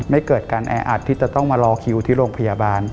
เกิดการแออัดที่จะต้องมารอคิวที่โรงพยาบาล